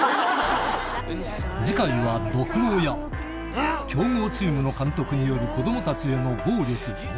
次回は「毒親」強豪チームの監督による子供たちへの暴力暴言